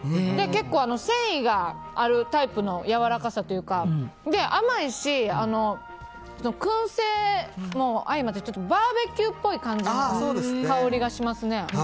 結構繊維があるタイプのやわらかさというか甘いし、燻製も相まってバーベキューっぽい感じの香りがしますね。